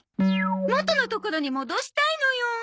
元の所に戻したいのよ。